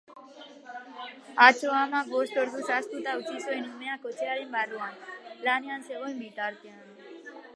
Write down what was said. Atzo amak bost orduz ahaztuta utzi zuen umea kotxearen barruan lanean zegoen bitartean.